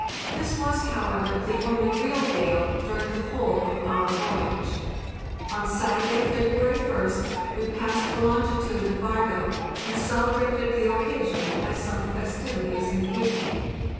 This was, however, the only real gale during the whole of our voyage. On Saturday, February Ist, we passed the longitude of Vard3é, and celebrated the occasion by some festivities in the evening.